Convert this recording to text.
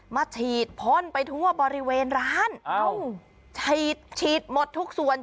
มาฉีดพ่นไปทั่วบริเวณร้านฉีดฉีดหมดทุกส่วน